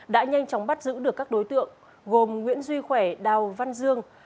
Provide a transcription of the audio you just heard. đã nhanh chóng bắt giữ được các đối tượng gồm nguyễn duy khỏe đào văn dương